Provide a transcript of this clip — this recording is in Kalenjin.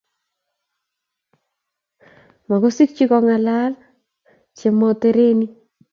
Mekuschi kong' ng'al che motoretin.